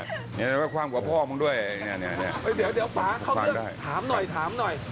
เดี๋ยวฟ้าเข้าเลี่ยวถามหน่อย